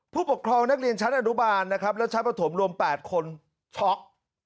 ผู้ปกครองนักเรียนชั้นอนุบาลนะครับและชั้นประถมรวม๘คนช็อก